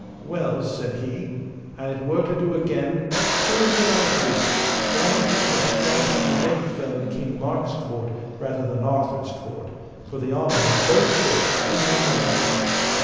Well, said he, an it were to do again, so would I do, for I had liefer strife and debate fell in King Mark's court rather than Arthur's court, for the honour of both courts be not alike.